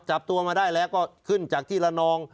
จับตัวมาได้แล้วก็ขึ้นจากที่ละนอง